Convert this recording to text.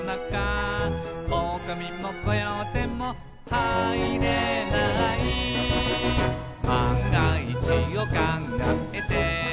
「おおかみもコヨーテもはいれない」「まんがいちをかんがえて」